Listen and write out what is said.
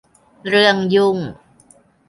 เรื่องยุ่ง